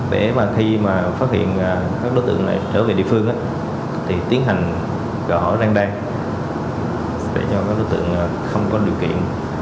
vậy mà khi mà phát hiện các đối tượng này trở về địa phương thì tiến hành gọi hỏi răng đan để cho các đối tượng không có điều kiện